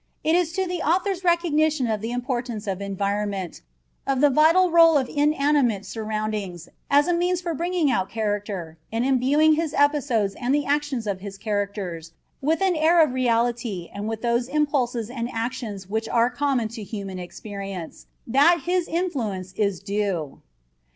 It is to the author's recognition of the importance of environment, of the vital role of inanimate surroundings as a means for bringing out character and imbuing his episodes and the actions of his characters with an air of reality and with those impulses and actions which are common to human experience, that his influence is due.